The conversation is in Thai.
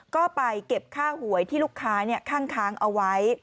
ก็ไปเก็บค่าหวยที่ลูกค้าคั่งค้างเอาไว้